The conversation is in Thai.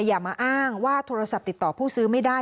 อย่ามาอ้างว่าโทรศัพท์ติดต่อผู้ซื้อไม่ได้